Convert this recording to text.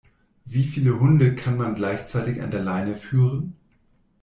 Wie viele Hunde kann man gleichzeitig an der Leine führen?